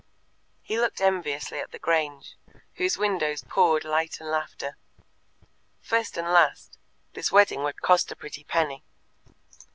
He looked enviously at the Grange, whose windows poured light and laughter. First and last, this wedding would cost a pretty penny.